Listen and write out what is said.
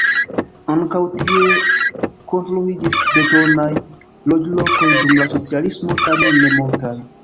Ankaŭ tie konstruiĝis betonaj loĝlokoj dum la socialismo, tamen ne multaj.